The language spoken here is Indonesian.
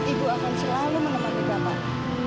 ibu akan selalu menemani bapak